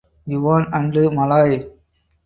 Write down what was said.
Yuan and Malay.